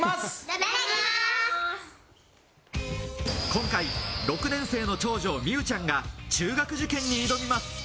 今回、６年生の長女・美羽ちゃんが中学受験に挑みます。